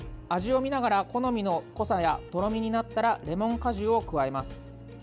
味を見ながら好みの濃さや、とろみになったらレモン果汁を加えます。